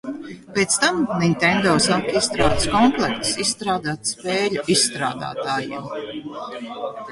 Pēc tam Nintendo sāka izstrādes komplektus izstrādāt spēļu izstrādātājiem.